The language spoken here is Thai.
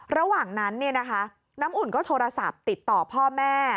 ระหว่างนั้นน้ำอุ่นก็โทรศัพท์ติดต่อพ่อแม่